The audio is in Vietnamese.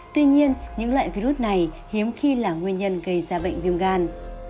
tuy nhiên những loại virus này hiếm khi là nguyên nhân gây ra bệnh viêm gan